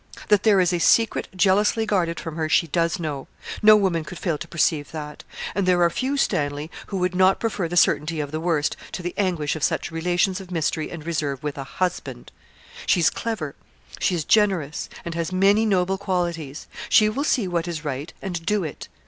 _ That there is a secret jealously guarded from her, she does know no woman could fail to perceive that; and there are few, Stanley, who would not prefer the certainty of the worst, to the anguish of such relations of mystery and reserve with a husband. She is clever, she is generous, and has many noble qualities. She will see what is right, and do it.